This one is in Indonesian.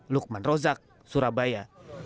lukman rozak surabaya